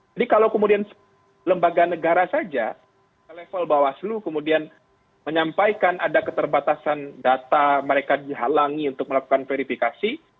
jadi kalau kemudian lembaga negara saja ke level bawaslu kemudian menyampaikan ada keterbatasan data mereka dihalangi untuk melakukan verifikasi